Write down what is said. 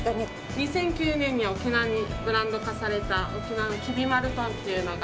２００９年に沖縄にブランド化された沖縄のキビまる豚というのが。